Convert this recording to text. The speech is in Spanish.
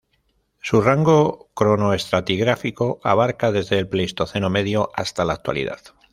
Su rango cronoestratigráfico abarca desde el Pleistoceno medio hasta la Actualidad.